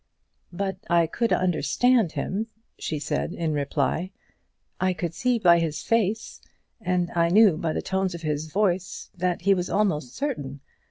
"But I could understand him," she said, in reply; "I could see by his face, and I knew by the tone of his voice, that he was almost certain.